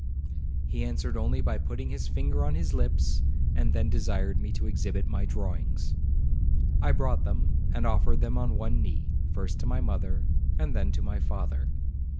He answered only by putting his finger on his lips, and then desired me to exhibit my drawings. I brought them, and offered them on one knee, first to my mother, and then to my father.